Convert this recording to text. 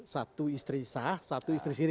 satu istri sah satu istri siri